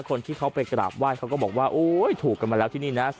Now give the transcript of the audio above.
คนที่เขาไปกราบไหว้เขาก็บอกว่าโอ๊ยถูกกันมาแล้วที่นี่นะ